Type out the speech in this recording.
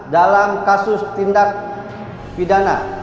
dalam kasus tindak pidana